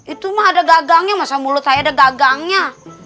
itu mah ada gagangnya masa mulut saya ada gagangnya